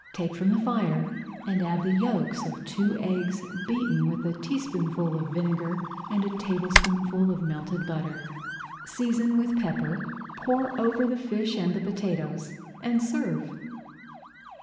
Take from the fire and add the yolks of two eggs beaten with a teaspoonful of vinegar and a tablespoonful of melted butter. Season with pepper, pour over the fish and the potatoes, and serve.